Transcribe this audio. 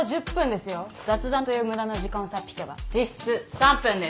雑談という無駄な時間をさっ引けば実質３分です。